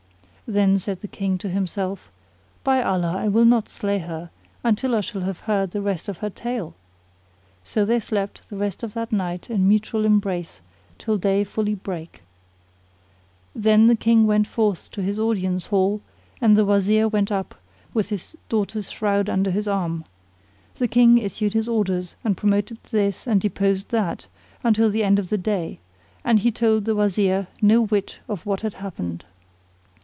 Then said the King in himself, "By Allah, I will not slay her, until I shall have heard the rest of her tale." So they slept the rest of that night in mutual embrace till day fully brake. Then the King went forth to his audience hall[FN#49] and the Wazir went up with his daughter's shroud under his arm. The King issued his orders, and promoted this and deposed that, until the end of the day; and he told the Wazir no whit of what had happened.